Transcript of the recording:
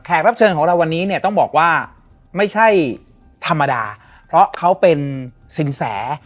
รับเชิญของเราวันนี้เนี่ยต้องบอกว่าไม่ใช่ธรรมดาเพราะเขาเป็นสินแส